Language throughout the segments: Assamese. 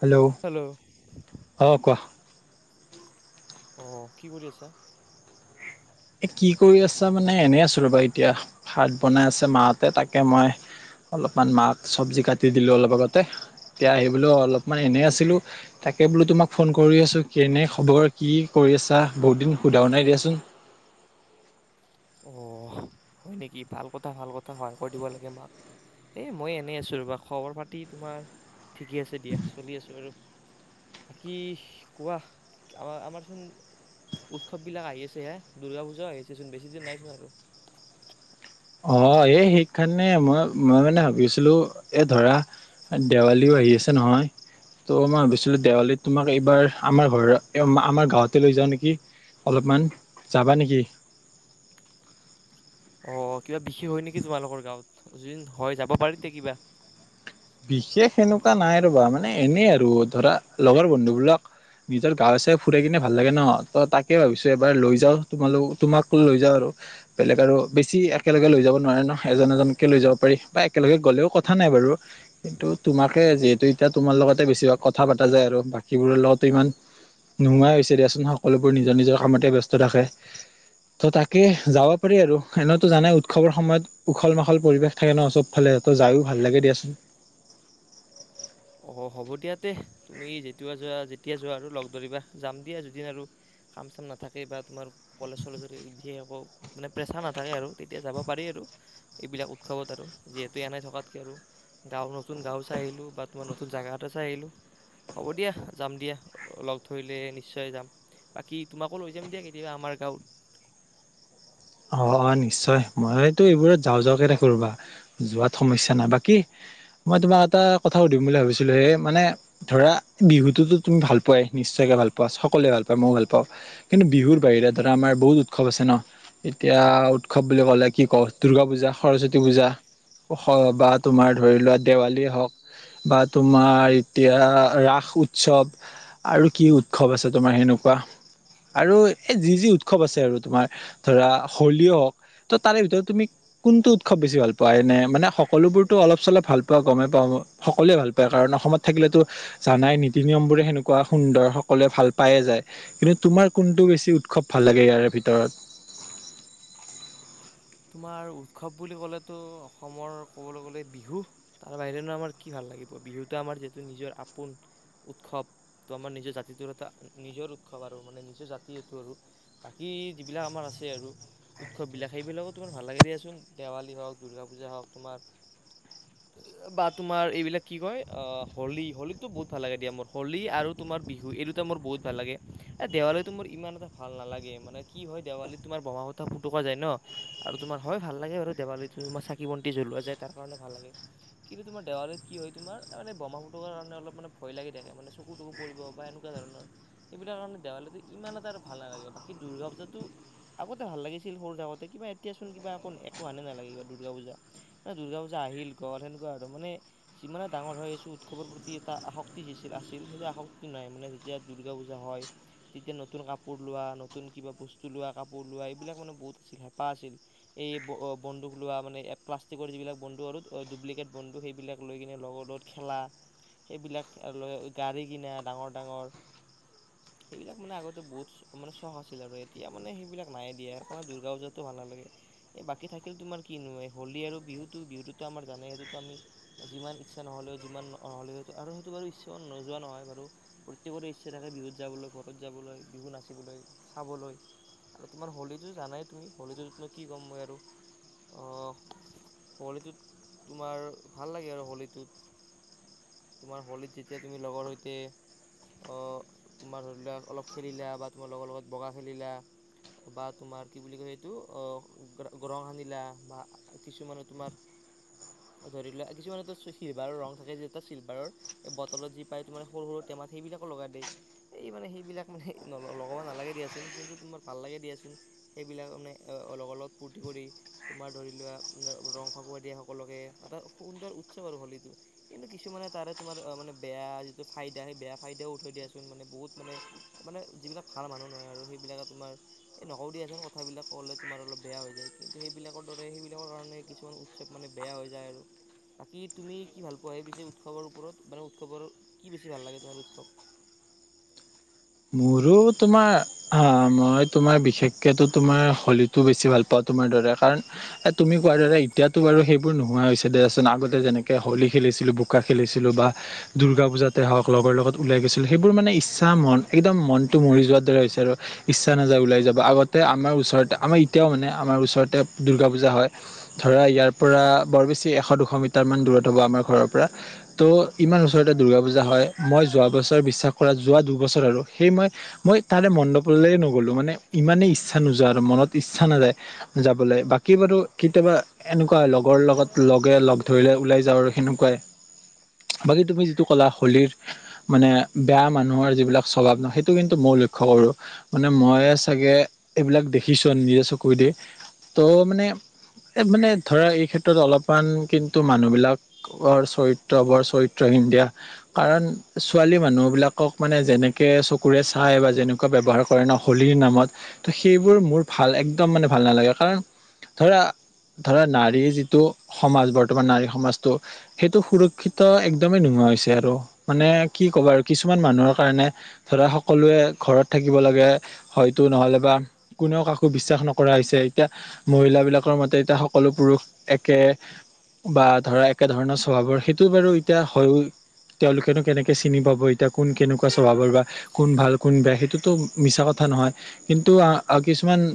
হেল্ল' অ', কোৱা। অ', কি কৰি আছা? এ কি কৰি আছা মানে এনেই আছো ৰ'বা এতিয়া ভাত বনাই আছে মাহতে তাকে মই অলপমান মাক চব্জি কাটি দিলো অলপ আগতে এতিয়া আহিবলৈো অলপমান এনেই আছিলো। তাকে বোলো তোমাক ফোন কৰি আছোঁ কেনে খবৰ কি কৰি আছা বহুত দিন সোধাও নাই দিয়াচোন। অ', হয় নেকি! ভাল কথা ভাল কথা সহায় কৰি দিব লাগে মাক। এ মই এনেই আছো ৰবা খবৰ পাতি তোমাৰ ঠিকে আছে দিয়া চলি আছো আৰু। বাকী কোৱা আমাৰ আমাৰচোন উৎসৱবিলাক আহি আছে হে দুৰ্গা পূজাও আহি আছেচোন বেছি দিন নাইচোন আৰু। অ', এই সেই কাৰণে মই মই মানে ভাবিছিলো এ ধৰা দেৱালীও আহি আছে নহয়। ত' মই ভাবিছিলো দেৱালীত তোমাক এইবাৰ আমাৰ ঘৰত আমাৰ গাঁৱতে লৈ যাওঁ নেকি। অলপমান যাবা নেকি? অ', কিবা বিশেষ হয় নেকি তোমালোকৰ গাঁৱত য হয় যাব পাৰি দে কিবা। বিশেষ এনেকুৱা নাই ৰবা মানে এনেই আৰু ধৰা লগৰ বন্ধুবিলাক নিজৰ গাওঁ চাই ফুৰাই কিনে ভাল লাগে ন ত তাকে ভাবিছো এবাৰ লৈ যাওঁ তোমাল তোমাক লৈ যাওঁ আৰু। বেলেগ আৰু বেছি একেলগে লৈ যাব নোৱাৰে ন এজন এজনকে লৈ যাব পাৰি বা একেলগে গ'লেও কথা নাই বাৰু। কিন্তু তোমাকে যিহেতু এতিয়া তোমাৰ লগতে বেছিভাগ কথা পতা যায় আৰু বাকীবোৰৰ লগতো ইমান নোহোৱাই হৈছে দিয়াচোন সকলোবোৰ নিজৰ নিজৰ কামতে ব্যস্ত থাকে। ত' তাকে যাব পাৰি আৰু এনেতো জানাই উৎসৱৰ সময়ত উখল মাখল পৰিৱেশ থাকে ন' চব ফালে ত' যায়ো ভাল লাগে দিয়াচোন। অ', হ'ব দিয়া তে তুমি যেতিয়া যোৱা যেতিয়া যোৱা আৰু লগ ধৰিবা যাম দিয়া যদিন আৰু- কাম চাম নাথাকে বা তোমাৰ কলেজ চলেজ যদি বিশেষ একো মানে প্ৰেছাৰ নাথাকে আৰু তেতিয়া যাব পাৰি আৰু। এইবিলাক উৎসৱত আৰু যিহেতু এনাই থকাতকে আৰু গাঁও নতুন গাঁও চাই আহিলো বা তোমাৰ নতুন জাগা এটা চাই আহিলোঁ হ'ব দিয়া যাম দিয়া লগ ধৰিলে নিশ্চয় যাম। বাকী তোমাকো লৈ যাম দিয়া কেতিয়াবা আমাৰ গাঁৱত। অ', অ', নিশ্চয় মইতো এইবোৰত যাওঁ যাওঁকে ৰাখো ৰবা যোৱাত সমস্যা নাই বাকী মই তোমাক এটা কথা সুধিম বুলি ভাবিছিলো হে মানে ধৰা বিহুতোতো তুমি ভাল পোৱাই নিশ্চয়কে ভাল পোৱা সকলোৱে ভাল পায় ময়ো ভাল পাওঁ। কিন্তু বিহুৰ বাহিৰে ধৰা আমাৰ বহুত উৎসৱ আছে ন'। এতিয়া উৎসৱ বুলি ক'লে কি কও দুৰ্গা পূজা, সৰস্বতী পূজা বা তোমাৰ ধৰি লোৱা দেৱালীয়ে হওক। বা তোমাৰ এতিয়া ৰাস উৎসৱ আৰু কি উৎসৱ আছে তোমাৰ সেনেকুৱা? আৰু এই যি যি উৎসৱ আছে আৰু তোমাৰ ধৰা হোলীও হওক। ত' তাৰে ভিতৰত তুমি কোনটো উৎসৱ বেছি ভাল পোৱা, নে মানে সকলোবোৰতো অলপ চলপ ভাল পোৱা গমেই পাওঁ মই। সকলোৱে ভাল পায় কাৰণ অসমত থাকিলেতো জানাই নীতি নিয়ম বোৰে সেনেকুৱা সুন্দৰ সকলোৱে ভাল পায়ে যায়। কিন্তু তোমাৰ কোনটো বেছি উৎসৱ ভাল লাগে ইয়াৰে ভিতৰত? তোমাৰ উৎসৱ বুলি ক'লেতো অসমৰ ক'বলৈ গ'লে বিহু। তাৰ বাহিৰেনো আমাৰ কি ভাল লাগিব বিহুতো আমাৰ যিহেতু নিজৰ আপোন ‌ উৎসৱ ত' আমাৰ নিজৰ জাতিটোৰ এটা নিজৰ উৎসৱ আৰু মানে নিজৰ জাতি এইটো আৰু বাকী যিবিলাক আমাৰ আছে আৰু উৎসৱবিলাক সেইবিলাকত তোমাৰ ভাল লাগে দিয়াচোন দেৱালী হওক দুৰ্গা পূজা হওক তোমাৰ [inaudible] বা তোমাৰ এইবিলাক কি কয় হোলী হোলীতো বহুত ভাল লাগে দিয়া মোৰ হোলী আৰু তোমাৰ বিহু এইটো দুটা মোৰ বহুত ভাল লাগে, এ দেৱালী মোৰ ইমান এটা ভাল নালাগে মানে কি হয় দেৱালী তোমাৰ বমা ত' ফুটকা যায় ন। আৰু তোমাৰ হয় ভাল লাগে বাৰু দেৱালীতো তোমাৰ চাকি বন্তি জ্বলোৱা যায় তাৰ কাৰণে ভাল লাগে। কিন্তু তোমাৰ দেৱালীত কি হয় তোমাৰ এ মানে বোমা ফুটোৱাৰ কাৰণে অলপ মানে ভয় লাগি থাকে টুকু পৰিব বা এনেকুৱা ধৰণৰ এইবিলাক কাৰণে দেৱালীৰ ইমান এটা আৰু ভাল নালাগে বাকী দুৰ্গা পূজাটো আগতে ভাল লাগিছিল সৰু থাকোতে কিবা এতিয়াচোন কিবা এক একো হানে নালাগে কিবা দুৰ্গা পূজা। ন দুৰ্গা পূজা আহিল গল সেনেকুৱা আৰু মানে যিমানে ডাঙৰ হৈ আহিছোঁ উৎসৱৰ প্ৰতি এটা আসক্তি যিছিল আছিল সেইটো আসক্তিটো নাই মানে যেতিয়া দুৰ্গা পূজা হয়। তেতিয়া নতুন কাপোৰ লোৱা নতুন কিবা বস্তু লোৱা কাপোৰ লোৱা এইবিলাক মানে বহুত আছিল হেঁপাহ আছিল। এই বন্দুক লোৱা মানে প্লাষ্টিকৰ যিবিলাক বন্দু আৰু ডুপ্লিকেট বন্দু সেইবিলাক লৈ কিনে লগৰ লগত খেলা সেইবিলাক লৈ গাড়ী কিনা ডাঙৰ ডাঙৰ সেইবিলাক মানে আগতে বহুত অ', মানে চখ আছিল আৰু এতিয়া মানে সেইবিলাক নাই দিয়ে আৰু কাৰণে দুৰ্গা পূজাতো ভাল নালাগে। এই বাকী থাকিল তোমাৰ কি নোয় হলী আৰু বিহুতো বিহুততো আমাৰ জানে সেইটোতো আমি যিমান ইচ্ছা নহ'লেও যিমান নহ'লে আৰু হয়তো বাৰু ইচ্ছাও নোযোৱা নহয় বাৰু প্ৰত্যেকৰে ইচ্ছা থাকে বিহুত যাবলৈ, ঘৰত যাবলৈ, বিহু নাচিবলৈ, খাবলৈ। আৰু তোমাৰ হোলীটো জানাই তুমি হলীটোত মই কি ক'ম মই আৰু হোলীটোত তোমাৰ ভাল লাগে আৰু হোলীটোত তোমাৰ হোলীত যেতিয়া তুমি লগৰ সৈতে তোমাৰ ধৰি লওক অলপ খেলিলা বা তোমাৰ লগৰ লগত বগা খেলিলা বা তোমাৰ কি বুলি কয় এইটো অ গৰহ সানিলা বা কিছুমানে তোমাৰ ধৰি লোৱা কিছুমান এটো চিলভাৰৰ ৰং থাকে যিটা চিলভাৰৰ এই বটলত যি পায় তোমাৰ সৰু টেমাচ সেইবিলাকো লগাই দেই এই মানে সেইবিলাক মানে লগাব নালাগে দিয়াচোন কিন্তু তোমাৰ ভাল লাগে দিয়াচোন সেইবিলাক মানে অল অলপ ফূৰ্তি কৰি তোমাৰ ধৰি লোৱা ৰং ফাকুৱা দিয়া সকলকে এটা সুন্দৰ উৎসৱ আৰু হলীটো কিন্তু কিছুমানে তাৰে তোমাৰ মানে বেয়া যিটো ফাইদা সেই বেয়া ফাইদাও উঠৈ দিয়াচোন মানে বহুত মানে মানে যিবিলাক ভাল মানুহ নহয় আৰু সেইবিলাকে তোমাৰ এই নক দিয়াচ কথাবিলাক ক'লে তোমাৰ অলপ বেয়া হৈ যায় কিন্তু সেইবিলাকৰ দৰে সেইবিলাকৰ কাৰণে কিছুমান উৎসৱ মানে বেয়া হৈ যায় আৰু বাকী তুমি কি ভাল পোৱা সেই পছি উৎসৱৰ ওপৰত মানে উৎসৱৰ কি বেছি ভাল লাগে তোমাৰ উৎসৱ মোৰো তোমাৰ হ মই তোমাৰ বিশেষকো তোমাৰ হোলীতো বেছি ভাল পাওঁ তোমাৰ দৰে কাৰণ তুমি কোৱা দাদা এতিয়াতো বাৰুেই বোৰ নোহোৱা হৈছে দাৰছত আগতে যেনেকৈ হোলী খেলিছিলোঁ বোকা খেলিছিলোঁ বা দুূৰ্গা পূজাতে হওক লগৰ লগত ওলাই গৈছিল সেইবোৰ মানে ইচ্ছা মন একদম মনটো মৰি যোৱাৰ দৰে হৈছে আৰু ইচ্ছা নাযায় ওলাই যাব আগতে আমাৰ ওচৰতে আমাৰ এতিয়াও মানে আমাৰ ওচৰতে দুূৰ্গা পূজা হয় ধৰা ইয়াৰ পৰা বৰ বেছি এশ দুশ মিটাৰমান দূৰত হ'ব আমাৰ ঘৰৰ পৰা ত' ইমান ওচৰতে দুৰ্গা পূজা হয় মই যোৱা বছৰ বিশ্বাস কৰা যোৱা দুবছৰ আৰু সেই মই মই তাৰে মণ্ডপলৈ নগ'লো মানে ইমানেই ইচ্ছা নোযোৱা আৰু মনত ইচ্ছা নাযায় যাবলৈ বাকী বাৰু কেতিয়াবা এনেকুৱা লগৰ লগত লগে লগ ধৰিলে ওলাই যাওঁ আৰু সেনেকুৱাই বাকী তুমি যিটো ক'লা হোলীৰ মানে বেয়া মানুহৰ যিবিলাক স্বভাৱ ন সেইটো কিন্তু মই লক্ষ্্য কৰো মানে মই চাগে এইবিলাক দেখিছো নিজে চকু দ ত' মানে এই মানে ধৰা এই ক্ষেত্ৰত অলপমান কিন্তু মানুহবিলাক ৰ চৰিত্ৰ বৰ চৰিত্ৰ সিন্ধিয়া কাৰণ ছোৱালী মানুহ বিলাকক মানে যেনেকে াক চকুৰে চাই বা যেনেকুৱা ব্যৱহাৰ কৰে ন হোলীৰ নামত ত' সেইবোৰ মোৰ ভাল একদম মানে ভাল নালাগে কাৰণ ধৰা ধৰা নাৰীৰ যিটো সমাজ বৰ্তমান নাৰী সমাজটো সেইটো সুৰক্ষিত একদমেই নোহোৱা হৈছে আৰু মানে কি কব আৰু কিছুমান মানুহৰ কাৰণে ধৰা সকলোৱে ঘৰত থাকিব লাগে হয়তো নহ'লে বা কোনেও কাকো বিশ্বাস নকৰা হৈছে এতিয়া মহিল বিিলাকৰ মতে এতিয়া সকলো পুৰুষ একে বা ধৰা একে ধৰণৰ সভাৱৰ সেইটো বাৰু এতিয়া হয় তেওঁলোকেনো কেনেকে চিনি পাব এতিয়া কোন কেনেকুৱা সভাব বা কোন ভাল কোন বেয়া সেইটোতো মিছা কথা নহয় কিন্তু কিছুমান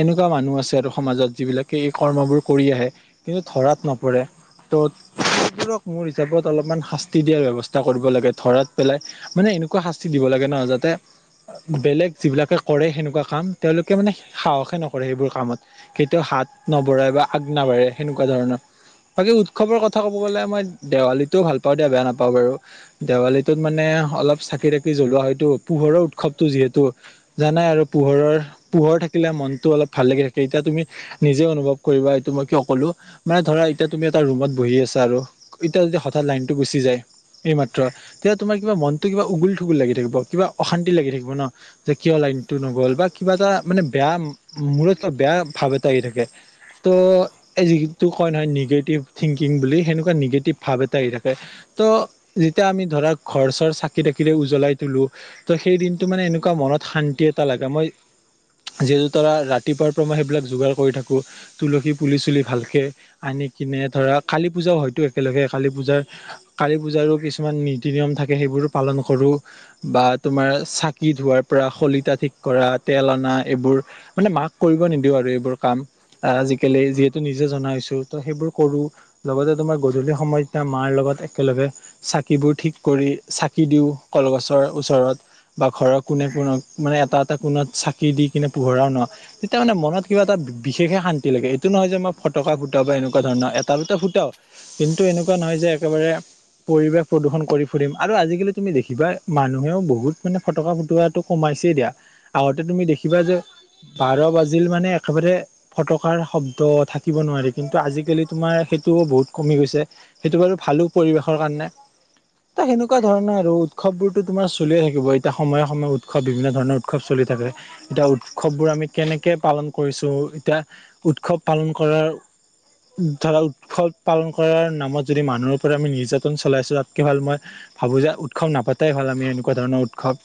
এনেকুৱা মানুহ আছে আৰু সমাজত যিবিলাকে এই কৰ্মবোৰ কৰি আহে কিন্তু ধৰাত নপৰে ত ক মোৰ হিচাপত অলপমান শাস্তি দিয়াৰ ব্যৱস্থা কৰিব লাগে ধৰাত পেলাই মানে এক শাস্তি দিব লাগে নহ যাতে বেলেগ যিবিলাকে কৰে সেনেকুৱা কাম তেওঁলোকে মানে সাহসে নকৰে সেইবোৰ কামত কেতিয়াও হাত নবঢ়াই বা আগ নাবঢ়ে সেনেকুৱা ধৰণৰ বাকী উৎসৱৰ কথা ক'ব গ'লে মই দেৱালীতটোও ভাল পাওঁ দিয়া বেয়া নাপাওঁ বাৰু দেৱালীটোত মানে অলপ চাকি তাকি জ্বলোৱা হয়তো পোহৰৰ উৎসৱতটো যিহেতু জানাই আৰু পোহৰৰ পোহৰ থাকিলে মনতটো অলপ ভাল লাগি থাকে এতিয়া তুমি নিজে অনুভৱ কৰিবা এইটো মই কিয় ক'লো মানে ধৰা এতিয়া তুমি এটা ৰুমত বহি আছা আৰু। এতিয়া যতিয়া হঠাৎ লাইনতটো গুচি যায় এইমাত্ৰ তেতিয়া তোমাৰ কিবা মন ত কিবা উগুল থুগুল লাগি থাকিব কিবা অশান্তি লাগি থাকিব ন। যে কিয় লাইনতটো নগ'ল বা কিবা এটা মানে বেয়া মূৰত বেয়া ভাৱ এটা আহি থাকে ত' এই যিটো কয় নহয় নিগেটিভ। থিংকিং বুলি সেনেকুৱা নিগেটিভ ভাৱ এটা আহি থাকে ত' যেতিয়া আমি ধৰা ঘৰৰ চ কেটাকিট উজ্বলাই তলো ত সেই দিনটো মানে এনেকুৱা মনত শান্তি এটা লাগে মই যিহেতু তৰা ৰাতিপুৱাৰ পৰামে সেইবিলাক যোগাৰ কৰি থাকো। তুলসী পুলি চুলি ভালকে আনি কিনে ধৰা কালী পূজাও হয়তো একেলগে কালী পূজাৰ কালী পূজাৰো কিছুমান নীতি নিয়ম থাকে সেইবোৰো পালন কৰো। বা তোমাৰ চাকি ধোৱাৰ পৰা শলিতা ঠিক কৰা তেল অনা এইবোৰ। মানে মাক কৰিব নিদিও আৰু এইবোৰ কাম। আজিকালি যিহেতু নিজে জনা হৈছো ত' সেইবোৰ কৰো। লগতে তোমাৰ গধূলি সময়ত মাৰ লগত একেলগে চাকিবোৰ ঠিক কৰি কি দিওঁ কলগছৰ ওচৰত বা ঘৰৰ কোনে কোনে মানে এটাত এটা কোনত চাকি দি কিনে পোহৰাও ন। তেতিয়া মানে মনত কিবা এটা বিশেষে শান্তি লাগে এইটো নহয় যে মই ফটকা ফুটাও বা এনেকুৱা ধৰণৰ এটা দুটা ফুটাও। কিন্তু এনেকুৱা নহয় যে একেবাৰে পৰিৱেশ প্ৰদূষণ কৰি ফুৰিম আৰু আজি তুমি দেখিবা মানুহেও বহুত মানে ফটকা ফুটোৱাটো কমাইছেই দিয়া। আগতে তুমি দেখিবা যে বাৰ বাজিল মানে একেবাৰে ফটকাৰ শব্দ থাকিব নোৱাৰি কিন্তু আজিকালি তোমাৰ সেইটোও বহুত কমি গৈছে। সেইটো বাৰু ভালো পৰিৱেশৰ কাৰণে ত' সেনেকুৱা ধৰণৰ আৰু উৎসৱবোৰতো তোমাৰ চলিয়ে থাকিব এতিয়া সময়ে সময়ে উৎসৱ বিভিন্ন ধৰণৰ উৎসৱ চলি থাকে। এতিয়া উৎসৱবোৰ আমি কেনেকে পালন কৰিছো এতিয়া উৎসৱ পালন কৰাৰ ধৰা উৎসৱ পালন কৰাৰ নামত যদি মানুহৰ পৰা আমি নিৰ্যাতন চলাইছো তাতকে ভাল মই ভাবো যে উৎসৱ নাপাতাই হ'ল আমি এনেকুৱা ধৰণৰ উৎসৱ।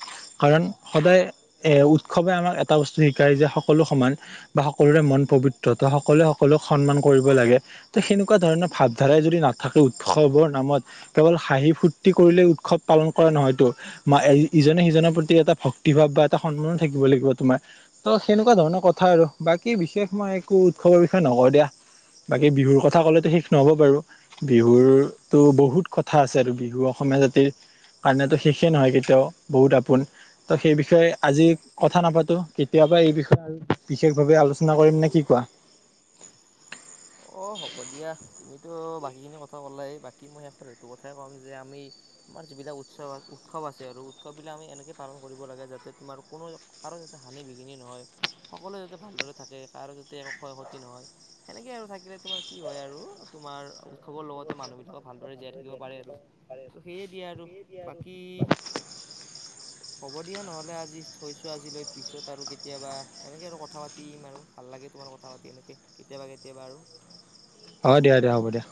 কাৰণ সদায় এ উৎসৱে আমাক এটা বস্তু শিকায় যে সকলো সমান। বা সকলোৰে মন পবিত্ৰ ত' সকলোৱে সকলোক সন্মান কৰিব লাগে। ত' সেনেকুৱা ধৰণৰ ভাৱধাৰাই যদি নাথাকে উৎসৱৰ নামত কেৱল হাঁহি ফুৰ্তি কৰিলে উৎসৱ পালন কৰে নহয়তো। মা ইজনে সিজনৰ প্ৰতি এটা ভক্তি ভাৱ বা এটা সন্মানো থাকিব লাগিব তোমাৰ। ত' সেনেকুৱা ধৰণৰ কথা আৰু বাকী বিশেষ মই একো উৎসৱৰ বিষয়ে নকওঁ দিয়া। বাকী বিহুৰ কথা ক'লেতো শেষ নহ'ব বাৰু। বিহুৰতো বহুত কথা আছে আৰু বিহু অসমীয়া জাতিৰ কাৰণেতো শেষে নহয় কেতিয়াও বহুত আপোন। ত' সেই বিষয়ে আজি কথা নাপাতো কেতিয়াবা এই বিষয়ে আৰু বিশেষ ভাৱে আলোচনা কৰিম নে কি কোৱা? অ', হ'ব দিয়া। তুমিতো বাকীখিনি কথা কলাই বাকী মই শেষত সেইটো কথাই ক'ম যে আমি আমাৰ যিবিলাক উৎসৱ উৎসৱ আছে আৰু উৎসৱবিলাক আমি এনেকে পালন কৰিব লাগে। যাতে তোমাৰ কোনো কাৰো যাতে হানি বিঘিনি নহয় সকলোৱে যাতে ভালদৰে থাকে কাৰো যাতে একো ক্ষয় ক্ষতি নহয়। সেনেকৈ আৰু থাকিলে তোমাৰ কি হয় আৰু তোমাৰ উৎসৱৰ লগতে মানুহবিলাকো ভালদৰে জীয়াই থাকিব পাৰে আৰু। ত' সেয়ে দিয়ে আৰু বাকী- [inaudible] হ'ব দিয়া নহ'লে আজি থৈছোঁ আজিলৈ পিছত আৰু কেতিয়াবা এনেকৈ আৰু কথা পাতিম আৰু ভাল লাগে তোমাৰ কথা পাতি। তেনেকৈ কেতিয়াবা কেতিয়াবা আৰু। অ', দিয়া দিয়া হ'ব দিয়া।